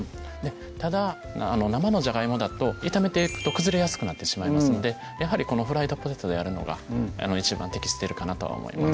ただ生のジャガイモだと炒めていくと崩れやすくなってしまいますのでやはりこのフライドポテトでやるのが一番適しているかなとは思います